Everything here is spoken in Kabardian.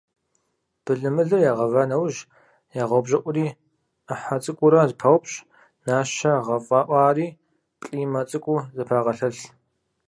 Былымылыр ягъэва нэужь, ягъэупщӀыӀури, Ӏыхьэ цӀыкӀуурэ зэпаупщӀ, нащэ гъэфӀэӀуари плӀимэ цӀыкӀуу зэпагъэлъэлъ.